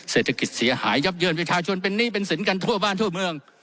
เศรษฐกิจเสียหายยับเยินประชาชนเป็นหนี้เป็นสินกันทั่วบ้านทั่วเมือง